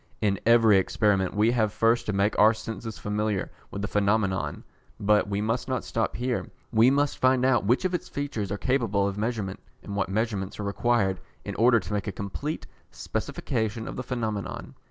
In every experiment we have first to make our senses familiar with the phenomenon, but we must not stop here, we must find out which of its features are capable of measurement, and what measurements are required in order to make a complete specification of the phenomenon.